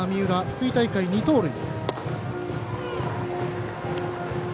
福井大会、２盗塁。